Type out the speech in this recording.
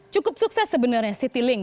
cukup sukses sebenarnya city link